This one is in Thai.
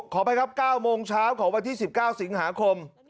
ขออภัยครับ๙โมงเช้าของวันที่๑๙สิงหาคม